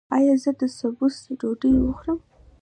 ایا زه د سبوس ډوډۍ وخورم؟